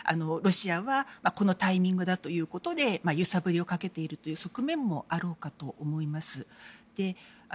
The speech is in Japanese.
ロシアはこのタイミングということで揺さぶりをかけている側面もあろうかと思います。